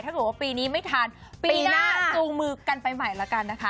ถ้าเกิดว่าปีนี้ไม่ทันปีหน้าจูงมือกันไปใหม่แล้วกันนะคะ